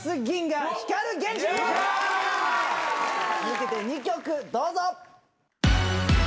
続けて２曲どうぞ！